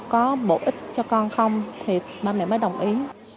có bổ ích cho con không thì ba mẹ mới đồng ý